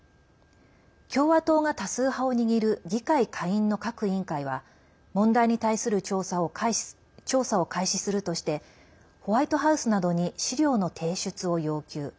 共和党が多数派を握る議会下院の各委員会は問題に対する調査を開始するとしてホワイトハウスなどに資料の提出を要求。